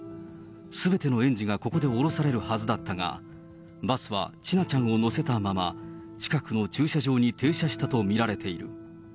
すべての園児がここで降ろされるはずだったが、バスは千奈ちゃんを乗せたまま、近くの駐車場に停車したと見られている。